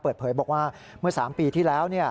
เปิดเผยบอกว่าเมื่อ๓ปีที่แล้ว